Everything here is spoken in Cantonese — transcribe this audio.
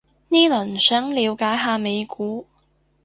呢輪想了解下美股